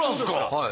はい。